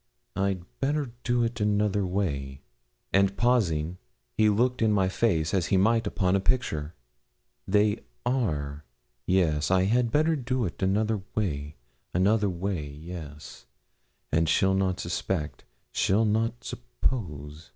I'd better do it another way.' And pausing, he looked in my face as he might upon a picture. 'They are yes I had better do it another way another way; yes and she'll not suspect she'll not suppose.'